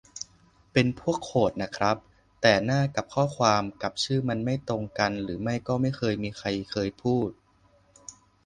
เป็นพวกโควตน่ะครับ แต่หน้ากับข้อความกับชื่อมันไม่ตรงกันหรือไม่ก็ไม่เคยมีใครเคยพูด